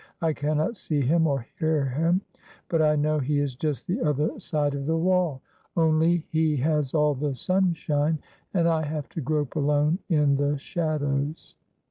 'I cannot see him or hear him, but I know he is just the other side of the wall; only he has all the sunshine, and I have to grope alone in the shadows.'"